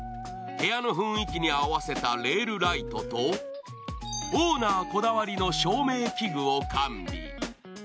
部屋の雰囲気に合わせたレールライトとオーナーこだわりの照明器具を完備。